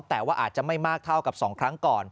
แต่ว่าอาจจะไม่มากเท่ากับ๒ครั้งก่อน